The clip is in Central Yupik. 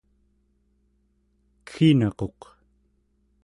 kegginaquq